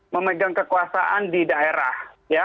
memegang kekuasaan di daerah